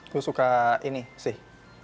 gue suka ini sih